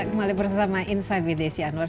kembali bersama insight with desi anwar